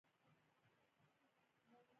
توت د پنجشیر او پروان اصلي میوه ده.